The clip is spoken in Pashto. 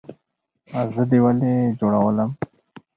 زه دې ولۍ جوړولم؟